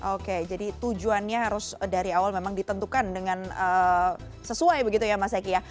oke jadi tujuannya harus dari awal memang ditentukan dengan sesuai begitu ya mas eki ya